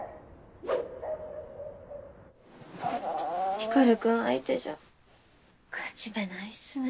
光君相手じゃ勝ち目ないっすね。